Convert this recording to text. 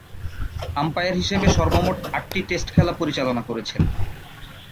Umpire হিসেবে সর্বমোট আটটি টেস্ট খেলা পরিচালনা করেছেন।